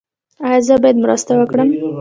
ایا زه باید مرسته وکړم؟